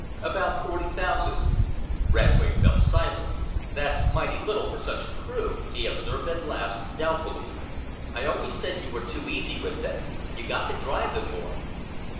"About forty thousand." Radway fell silent. "That's mighty little for such a crew," he observed at last, doubtfully. "I always said you were too easy with them. You got to drive them more."